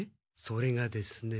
それがですね。